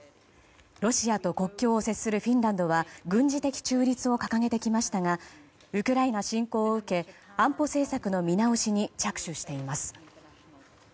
ロシアと国境を接するフィンランドは軍事的中立を掲げてきましたがウクライナ侵攻を受け安保政策の見直しに着手しています。